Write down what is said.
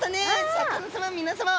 シャーク香音さま皆さま。